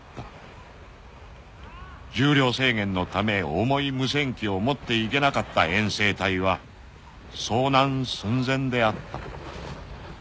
［重量制限のため重い無線機を持っていけなかった遠征隊は遭難寸前であった］